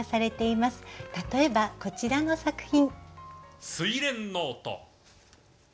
例えばこちらの作品。